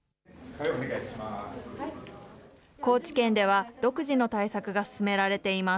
高知県では、独自の対策が進められています。